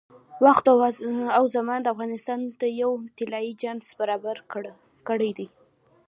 وخت او زمان افغانستان ته یو طلایي چانس برابر کړی دی.